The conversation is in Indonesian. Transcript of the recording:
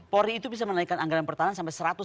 polri itu bisa menaikkan anggaran pertahanan sampai